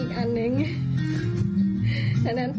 ตกลงวันนี้วันเกิดใครเนี่ย